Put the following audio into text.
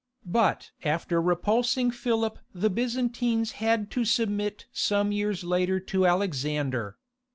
But after repulsing Philip the Byzantines had to submit some years later to Alexander.